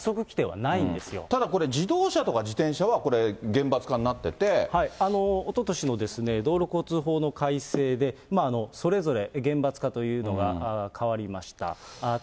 ただこれ、自動車とか自転車は、おととしの道路交通法の改正で、それぞれ、厳罰化というのが変わりました。